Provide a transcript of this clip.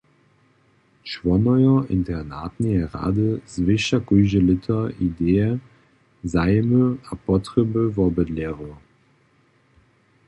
Čłonojo internatneje rady zwěsća kóžde lěto ideje, zajimy a potrjeby wobydlerjow.